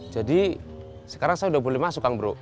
sekarang saya sudah boleh masuk kang bro